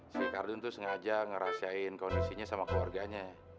si cardun tuh sengaja ngerasain kondisinya sama keluarganya